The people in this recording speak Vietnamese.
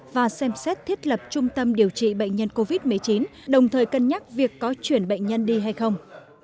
và xem xét thiết lập trung tâm điều trị bệnh nhân covid một mươi chín đồng thời cân nhắc việc có chuyển bệnh nhân đi hay không